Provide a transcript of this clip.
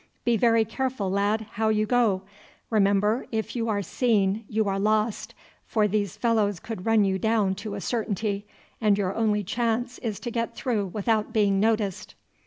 Be very careful, lad, how you go. Remember, if you are seen you are lost; for these fellows could run you down to a certainty, and your only chance is to get through without being noticed."